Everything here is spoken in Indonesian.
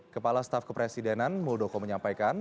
kepala staf kepresidenan muldoko menyampaikan